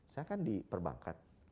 saya kan di perbankan